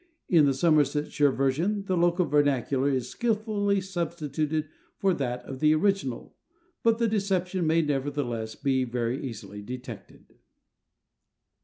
In the Somersetshire version the local vernacular is skilfully substituted for that of the original; but the deception may, nevertheless, be very easily detected.